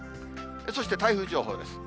そして台風情報です。